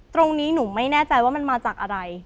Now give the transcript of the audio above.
ตรงนี้หนูไม่แน่ใจว่ามันมาจากอะไร